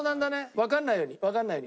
わかんないようにね。